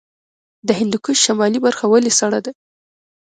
د هندوکش شمالي برخه ولې سړه ده؟